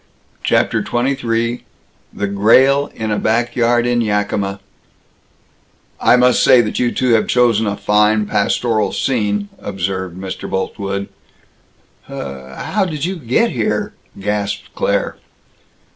CHAPTER XXIII THE GRAEL IN A BACK YARD IN YAKIMA "I must say that you two have chosen a fine pastoral scene!" observed Mr. Boltwood. "Hhhhhhhhow did you get here?" gasped Claire.